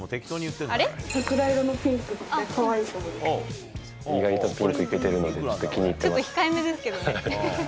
桜色のピンクってかわいいと意外とピンクいけてるので、ちょっと控えめですけどね。